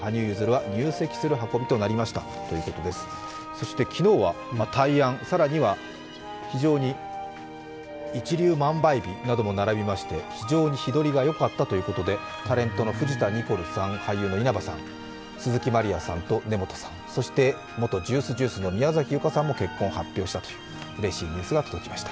そして昨日は、大安更には非常に一粒万倍日なども並びまして非常に日取りが良かったということで、タレントの藤田ニコルさん俳優の稲葉友さん、鈴木まりやさんと根本さん、そして元Ｊｕｉｃｅ＝Ｊｕｉｃｅの宮崎由加さんも結婚を発表したとうれしいニュースが届きました。